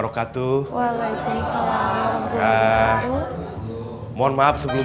udah gitu dong ustadz udah nanti gitu